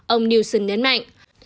ông nielsen nhấn mạnh